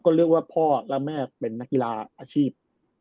ก็เรียกว่าพ่อและแม่เป็นนักกีฬาอาชีพ